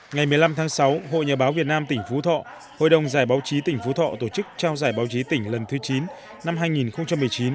ngày một mươi năm tháng sáu hội nhà báo việt nam tỉnh phú thọ hội đồng giải báo chí tỉnh phú thọ tổ chức trao giải báo chí tỉnh lần thứ chín năm hai nghìn một mươi chín